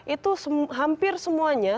itu hampir semuanya